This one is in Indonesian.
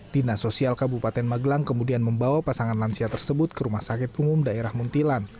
dinas sosial kabupaten magelang kemudian membawa pasangan lansia tersebut ke rumah sakit umum daerah muntilan